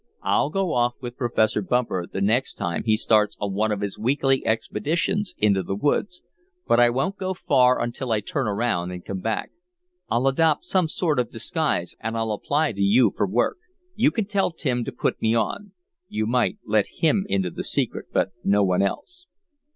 I'll go off with Professor Bumper the next time he starts on one of his weekly expeditions into the woods. But I won't go far until I turn around and come back. I'll adopt some sort of disguise, and I'll apply to you for work. You can tell Tim to put me on. You might let him into the secret, but no one else."